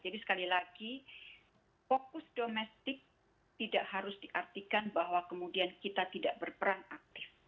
jadi sekali lagi fokus domestik tidak harus diartikan bahwa kemudian kita tidak berperan aktif